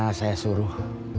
karena saya suruh